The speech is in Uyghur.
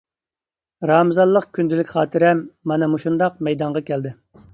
رامىزانلىق كۈندىلىك خاتىرەم مانا مۇشۇنداق مەيدانغا كەلدى.